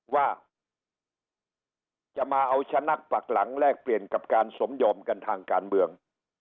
ว่าจะมาเอาชนะปักหลังแลกเปลี่ยนกับการสมยอมกันทางการเมือง